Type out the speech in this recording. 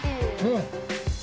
うん。